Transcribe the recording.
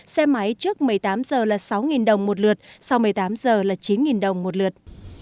xe máy trước một mươi tám h là sáu đồng một lượt sau một mươi tám h là chín đồng một lượt